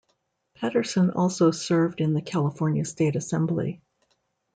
Patterson also served in the California State Assembly.